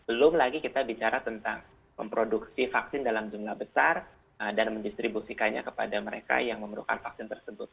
belum lagi kita bicara tentang memproduksi vaksin dalam jumlah besar dan mendistribusikannya kepada mereka yang memerlukan vaksin tersebut